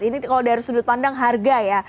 ini kalau dari sudut pandang harga ya